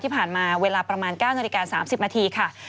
ที่ผ่านมาเวลาประมาณ๙น๓๐นค่ะ